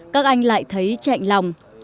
các anh lại thấy chạy lòng